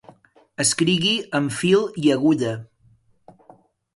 Escrigui amb fil i agulla.